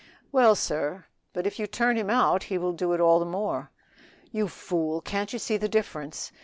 "Well, sir, but if you turn him out he will do it all the more." "You fool, can't you see the difference?